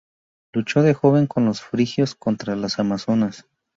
Luchó de joven con los frigios contra las Amazonas.